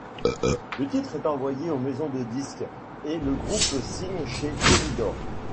Le titre est envoyé aux maisons de disques et le groupe signe chez Polydor.